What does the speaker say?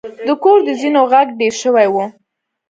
د کور د زینو غږ ډیر شوی و.